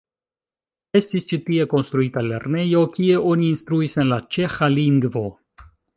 Estis ĉi tie konstruita lernejo, kie oni instruis en la ĉeĥa lingvo.